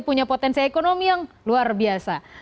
punya potensi ekonomi yang luar biasa